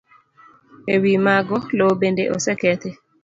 E wi mago, lowo bende osekethi.